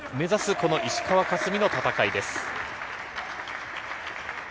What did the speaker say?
この石川佳純の戦いです。